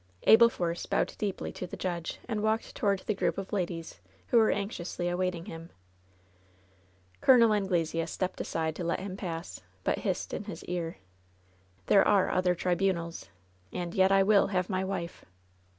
Abel Force bowed deeply to the judge, and walked toward the group of ladies who were anxiously awaiting him. Col. Anglesea stepped aside to let him pass, but hissed in his ear: "There are other tribunals. And yet I will have my wife!"